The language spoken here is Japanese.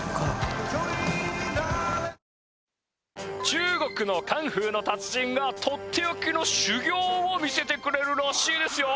中国のカンフーの達人がとっておきの修行を見せてくれるらしいですよ